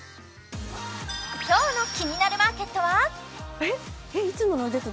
今日の「キニナルマーケット」はえっ？